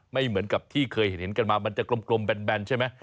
ไม่เหมือนกับที่เคยเห็นกันมามันจะกลมกลมแบนเสียจมั้ย